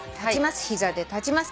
膝で立ちます。